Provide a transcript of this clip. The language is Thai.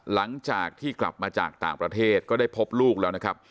หลังจากที่กลับมาจากต่างประเทศก็ได้พบลูกแล้วนะครับ